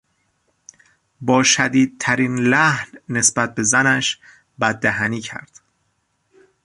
با شدیدترین لحن نسبت به زنش بددهنی کرد.